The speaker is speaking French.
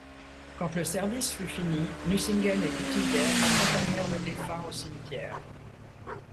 Quand le service fut fini, Nucingen et du Tillet accompagnèrent le défunt au cimetière.